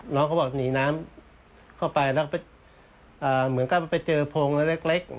เขาบอกหนีน้ำเข้าไปแล้วก็เหมือนกับไปเจอโพงเล็ก